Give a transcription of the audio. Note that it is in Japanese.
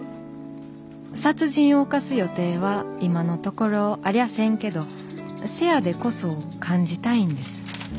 殺人を犯す予定は今のところありゃせんけどせやでこそ感じたいんです。